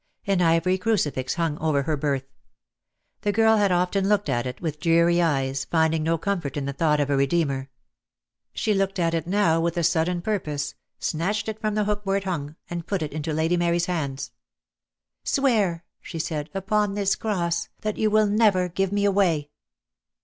An ivory crucifix hung over her berth. The girl had often looked at it, with dreary eyes, finding no comfort in the thought of a Redeemer. She looked at it now with a sudden purpose, snatched it from the hook where it hung, and put it into Lady Mary's hands. DEAD LOVE HAS CEIAINS. 45 "Swear," she said, "upon this cross, that you will never give me away."